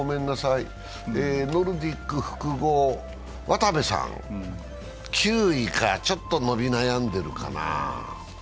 ノルディック複合、渡部さん、９位からちょっと伸び悩んでいるかな。